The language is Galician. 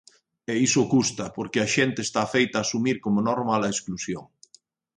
E iso custa, porque a xente está afeita a asumir como normal a exclusión.